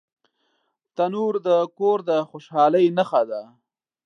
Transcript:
تنور د کور د خوشحالۍ نښه ده